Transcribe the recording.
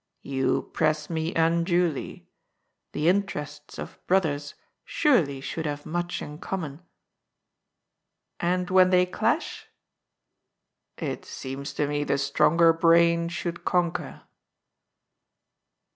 "You press me unduly. The interests of brothers surely should have much in common." " And when they clash ?"" It seems to me the stronger brain should conquer."